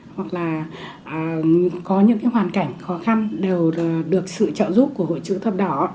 hoặc là có những hoàn cảnh khó khăn đều được sự trợ giúp của hội chữ thập đỏ